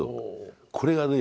これがね